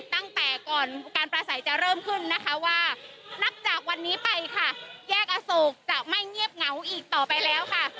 ตั้งแต่ก่อนการประสัยจะเริ่มขึ้นนะคะว่านับจากวันนี้ไปค่ะแยกอโศกจะไม่เงียบเหงาอีกต่อไปแล้วค่ะ